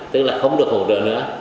tức là không được hỗ trợ nữa